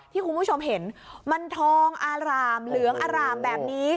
ที่คุณผู้ชมเห็นมันทองอารามเหลืองอร่ามแบบนี้